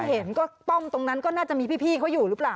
เห็นก็ป้อมตรงนั้นก็น่าจะมีพี่เขาอยู่หรือเปล่า